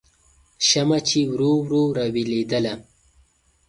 شمعه چې ورو ورو راویلېدله